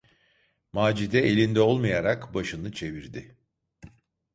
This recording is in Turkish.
Macide elinde olmayarak başını çevirdi.